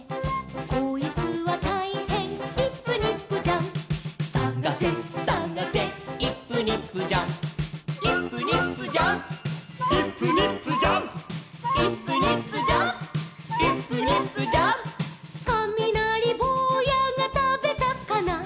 「こいつはたいへんイップニップジャンプ」「さがせさがせイップニップジャンプ」「イップニップジャンプイップニップジャンプ」「イップニップジャンプイップニップジャンプ」「かみなりぼうやがたべたかな」